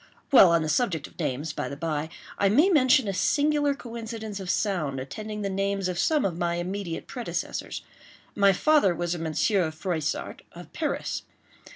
While on the subject of names, by the bye, I may mention a singular coincidence of sound attending the names of some of my immediate predecessors. My father was a Monsieur Froissart, of Paris.